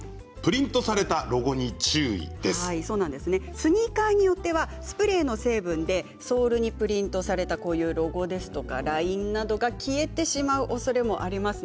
スニーカーによってはスプレーの成分でソールにプリントされたロゴやラインなどが消えてしまうおそれがあります。